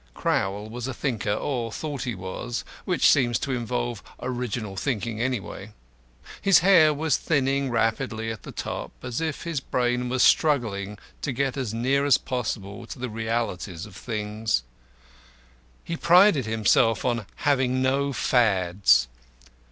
Crowl was a thinker, or thought he was which seems to involve original thinking anyway. His hair was thinning rapidly at the top, as if his brain was struggling to get as near as possible to the realities of things. He prided himself on having no fads.